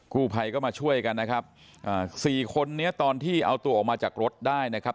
กู้ภัยก็มาช่วยกันนะครับอ่าสี่คนนี้ตอนที่เอาตัวออกมาจากรถได้นะครับ